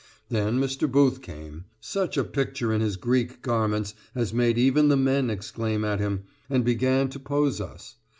Then Mr. Booth came such a picture in his Greek garments as made even the men exclaim at him and began to pose us.